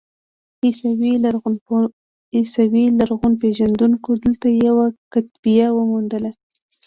عیسوي لرغونپېژندونکو دلته یوه کتیبه وموندله.